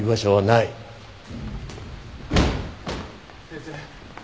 先生！